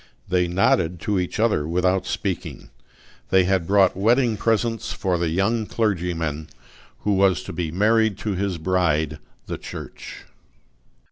They nodded to each other without speaking: they had brought wedding presents for the young clergyman, who was to be married to his bride the Church.